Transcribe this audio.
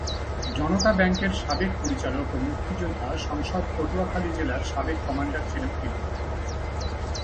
জনতা ব্যাংকের সাবেক পরিচালক ও মুক্তিযোদ্ধা সংসদ পটুয়াখালী জেলার সাবেক কমান্ডার ছিলেন তিনি।